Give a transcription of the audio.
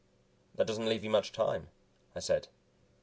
"That doesn't leave you much time," I said.